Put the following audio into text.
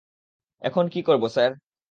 এখন কি করব, স্যার?